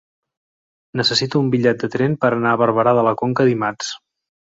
Necessito un bitllet de tren per anar a Barberà de la Conca dimarts.